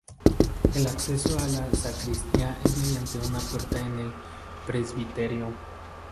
El acceso a la sacristía es mediante una puerta en el presbiterio.